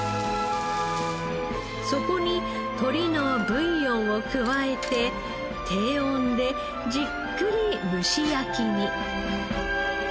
そこに鶏のブイヨンを加えて低温でじっくり蒸し焼きに。